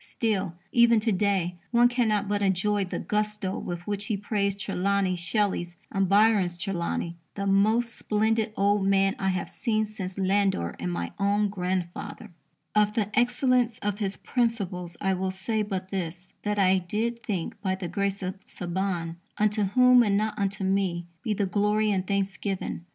Still, even to day, one cannot but enjoy the gusto with which he praised Trelawney Shelley's and Byron's Trelawney "the most splendid old man I have seen since Landor and my own grandfather": Of the excellence of his principles I will say but this: that I did think, by the grace of Saban (unto whom, and not unto me, be the glory and thanksgiving.